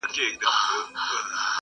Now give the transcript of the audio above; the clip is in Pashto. د طبیب عقل کوټه سو مسیحا څخه لار ورکه!